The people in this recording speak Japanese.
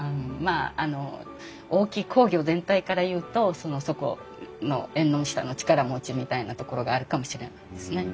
あの大きい工業全体からいうとその底の縁の下の力持ちみたいなところがあるかもしれないですね。